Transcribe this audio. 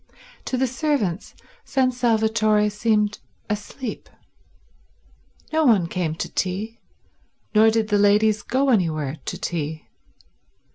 To the servants San Salvatore seemed asleep. No one came to tea, nor did the ladies go anywhere to tea.